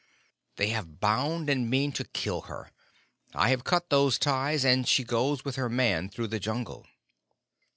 "They have bound and mean to kill her. I have cut those ties, and she goes with her man through the Jungle."